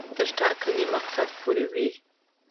تر ټاکلي مقصده پوري وي.